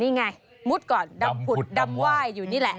นี่ไงมุดก่อนดำผุดดำไหว้อยู่นี่แหละ